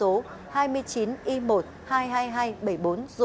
chú tại huyện thủy nguyên thành phố hải phòng